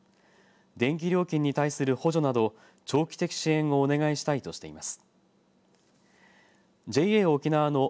電気料金に対する補助など長期的支援をお願いしたいとしています。